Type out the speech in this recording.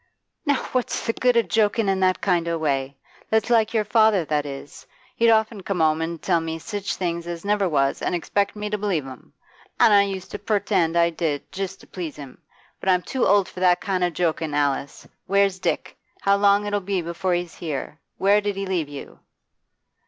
'Now what's the good o' joking in that kind o' way? That's like your father, that is; he'd often come 'ome an' tell me sich things as never was, an' expect me to believe 'em. An' I used to purtend I did, jist to please him. But I'm too old for that kind o' jokin'. Alice, where's Dick? How long'll it be before he's here? Where did he leave you?